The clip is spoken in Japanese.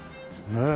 ねえ。